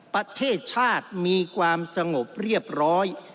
ประเทศชาติมีความสงบเรียบร้อย